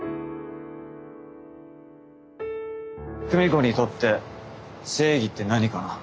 久美子にとって正義って何かな？